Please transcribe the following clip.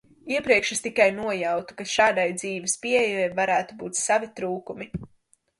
Iepriekš es tikai nojautu, ka šādai dzīves pieejai varētu būt savi trūkumi.